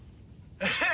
えっ！